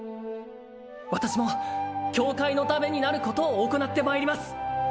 私も教会のためになることを行ってまいります